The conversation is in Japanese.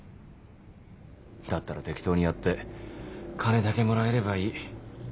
だったら適当にやって金だけもらえればいい。